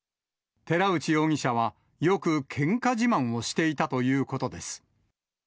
寺内容疑者はよくけんか自慢をしていたということです。